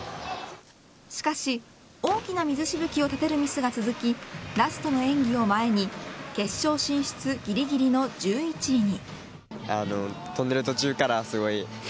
しかし、大きな水しぶきを立てるミスが続きラストの演技を前に決勝進出ぎりぎりの１１位に。